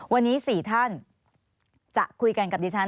วันนี้๔ท่านจะคุยกันกับดิฉัน